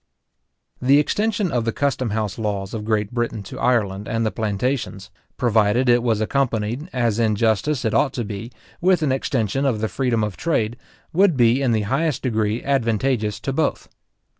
The extension of the custom house laws of Great Britain to Ireland and the plantations, provided it was accompanied, as in justice it ought to be, with an extension of the freedom of trade, would be in the highest degree advantageous to both.